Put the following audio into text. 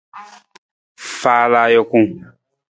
Faala ajuku.